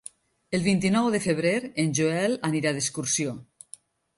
El vint-i-nou de febrer en Joel anirà d'excursió.